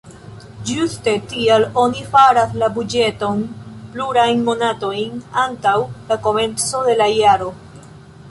Ĝuste tial oni faras la buĝeton plurajn monatojn antaŭ la komenco de la jaro.